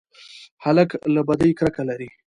هلک له بدۍ کرکه لري.